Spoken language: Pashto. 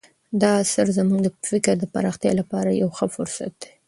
دا اثر زموږ د فکر د پراختیا لپاره یو ښه فرصت دی.